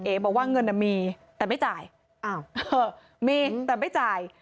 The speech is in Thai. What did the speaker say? บอกว่าเงินมีแต่ไม่จ่ายอ้าวมีแต่ไม่จ่าย